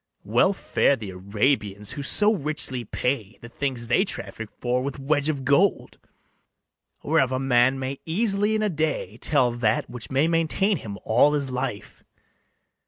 Well fare the Arabians, who so richly pay The things they traffic for with wedge of gold, Whereof a man may easily in a day Tell that which may maintain him all his life.